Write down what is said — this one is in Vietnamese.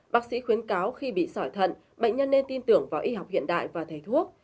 bác sĩ khuyến cáo khi bị sỏi thận bệnh nhân nên tin tưởng vào y học hiện đại và thầy thuốc